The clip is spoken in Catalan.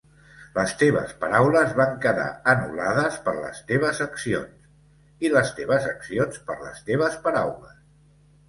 Les teves paraules van quedar anul·lades per les teves accions i les teves accions, per les teves paraules.